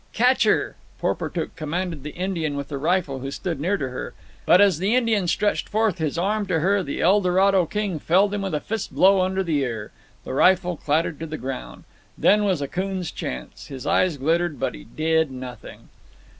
"Catch her!" Porportuk commanded the Indian with the rifle, who stood near to her. But as the Indian stretched forth his arm to her, the Eldorado king felled him with a fist blow under the ear. The rifle clattered to the ground. Then was Akoon's chance. His eyes glittered, but he did nothing.